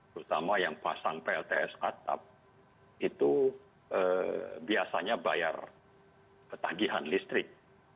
terutama yang pasang plts atap itu biasanya bayar tagihan listrik